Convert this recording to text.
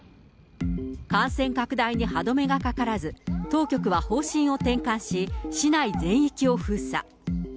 感染拡大に歯止めがかからず、当局は方針を転換し、市内全域を封鎖。